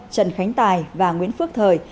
trần khánh tài và nguyễn phước thời